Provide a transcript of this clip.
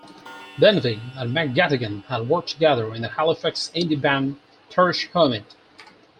Benvie and McGettigan had worked together in the Halifax indie band Thrush Hermit.